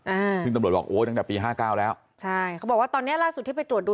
อ่าซึ่งตำรวจบอกโอ้ยตั้งแต่ปีห้าเก้าแล้วใช่เขาบอกว่าตอนเนี้ยล่าสุดที่ไปตรวจดู